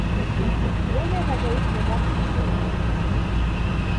Йәнә ғәжәйеп йомарт кеше ул Тамара апай.